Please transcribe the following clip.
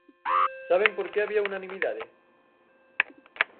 ¿Saben por que había unanimidade?